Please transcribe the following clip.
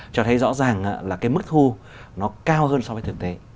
cho thấy rõ ràng là mức thu cao hơn so với thực tế